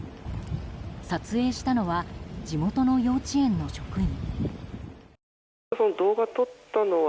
撮影したのは地元の幼稚園の職員。